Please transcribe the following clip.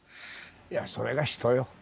いやそれが人よ。